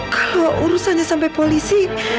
kalau urusannya sampai polisi